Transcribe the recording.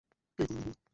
কে করল ফোন?